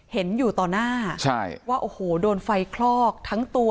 เห็นอยู่ต่อหน้าใช่ว่าโอ้โหโดนไฟคลอกทั้งตัว